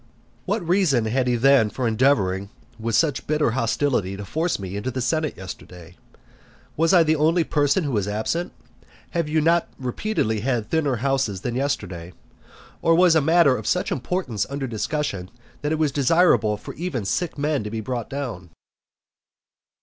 V. What reason had he then for endeavouring, with such bitter hostility, to force me into the senate yesterday? Was I the only person who was absent? Have you not repeatedly had thinner houses than yesterday? Or was a matter of such importance under discussion, that it was desirable for even sick men to be brought down?